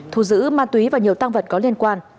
thu giữ ma túy và nhiều tăng vật có liên quan